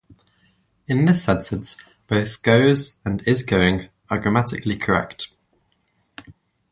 In this sentence, both "goes" and "is going" are grammatically correct.